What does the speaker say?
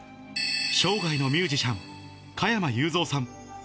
障がいのミュージシャン、加山雄三さん。